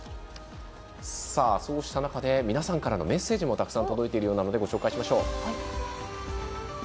そうした中で皆さんからのメッセージもたくさん届いているようなのでご紹介しましょう。